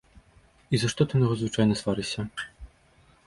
І за што ты на яго звычайна сварышся?